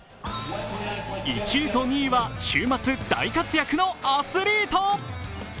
１位と２位は週末大活躍のアスリート。